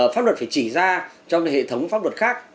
pháp luật phải chỉ ra trong hệ thống pháp luật khác